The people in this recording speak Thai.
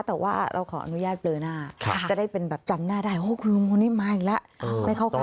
แต่ว่าเราขออนุญาตเบลอหน้าจะได้เป็นแบบจำหน้าได้คุณลุงคนนี้มาอีกแล้วไม่เข้าใกล้